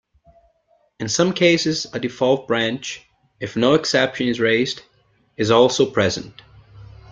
In some cases a default branch, if no exception is raised, is also present.